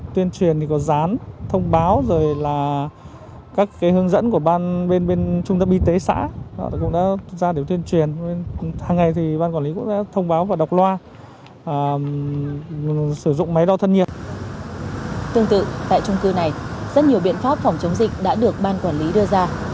tương tự tại trung cư này rất nhiều biện pháp phòng chống dịch đã được ban quản lý đưa ra